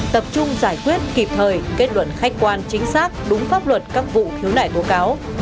tập trung giải quyết kịp thời kết luận khách quan chính xác đúng pháp luật các vụ khiếu nại tố cáo